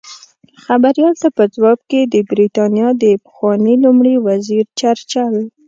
خبریال ته په ځواب کې د بریتانیا د پخواني لومړي وزیر چرچل